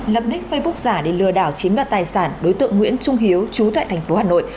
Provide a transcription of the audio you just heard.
lập ních facebook giả để lừa đảo chiếm đoạt tài sản đối tượng nguyễn trung hiếu trú tại thành phố hà nội